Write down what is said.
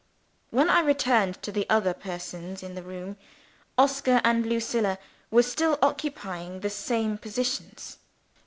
When I returned to the other persons in the room, Oscar and Lucilla were still occupying the same positions.